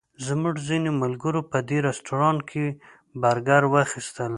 زموږ ځینو ملګرو په دې رسټورانټ کې برګر واخیستل.